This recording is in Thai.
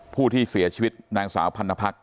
ผู้ที่เสียชีวิตนางสาวพันนภักษ